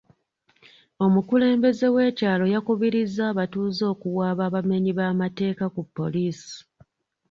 Omukulembeze w'ekyalo yakubirizza abatuuze okuwaaba abamenyi b'amateeka ku poliisi.